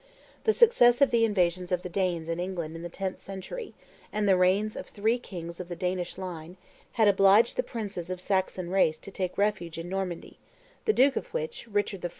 The success of the invasions of the Danes in England in the tenth century, and the reigns of three kings of the Danish line, had obliged the princes of Saxon race to take refuge in Normandy, the duke of which, Richard I.